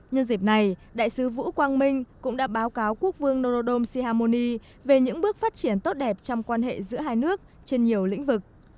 nhân dịp này đại sứ vũ quang minh cũng đã báo cáo quốc vương norodom sihamoni về những bước phát triển tốt đẹp trong quan hệ giữa hai nước trên nhiều lĩnh vực